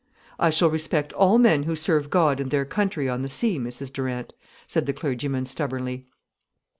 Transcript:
"I shall respect all men who serve God and their country on the sea, Mrs Durant," said the clergyman stubbornly.